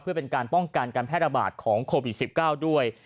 เพื่อเป็นการป้องกันการแพร่ระบาดของโควิด๑๙ด้วย